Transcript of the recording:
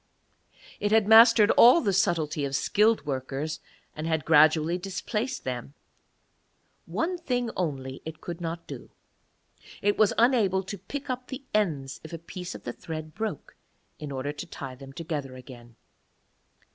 It had mastered all the subtlety of skilled workers, and had gradually displaced them; one thing only it could not do, it was unable to pick up the ends if a piece of the thread broke, in order to tie them together again.